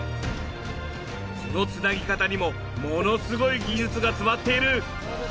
その繋ぎ方にもものすごい技術が詰まっている！